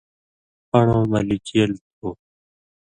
پَن٘ڑؤں مہ لِکیل تُھو